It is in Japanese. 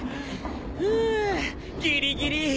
ふぅギリギリ。